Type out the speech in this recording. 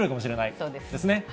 そうですね。